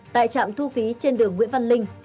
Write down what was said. tại trạm thu phí trên đường nguyễn văn linh